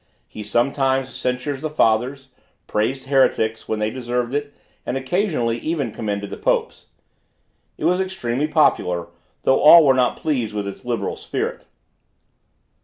He sometimes censured the Fathers, praised heretics, when they deserved it, and occasionally even commended the Popes. It was extremely popular, though all were not pleased with its liberal spirit.